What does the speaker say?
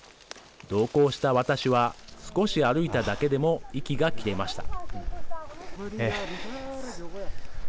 同行した私は少し歩いただけでも息が切れました。